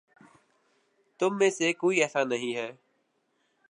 تم میں سے کوئی ایسا نہیں ہے